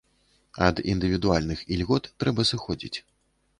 Ад індывідуальных ільгот трэба сыходзіць.